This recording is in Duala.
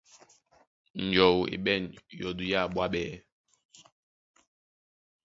Njɔu e ɓɛ̂n yɔdú yá ɓwaɓɛ̀.